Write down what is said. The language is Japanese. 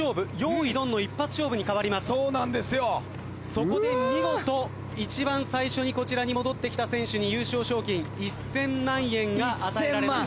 そこで見事一番最初にこちらに戻ってきた選手に優勝賞金１，０００万円が与えられます。